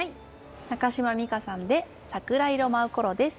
中島美嘉さんで「桜色舞うころ」です。